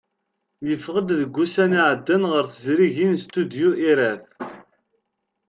Yeffeɣ-d deg ussan iɛeddan ɣer tezrigin Studyu Irath.